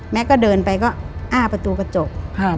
ก็เดินไปก็อ้าประตูกระจก